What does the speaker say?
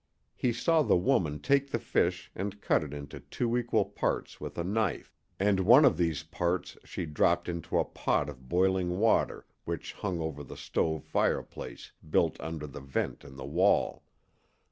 He saw the woman take the fish and cut it into two equal parts with a knife, and one of these parts she dropped into a pot of boiling water which hung over the stone fireplace built under the vent in the wall.